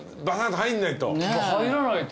入らないと。